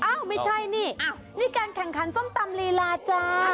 ไม่ใช่นี่นี่การแข่งขันส้มตำลีลาจ้า